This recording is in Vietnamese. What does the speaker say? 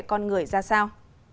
con người ra sao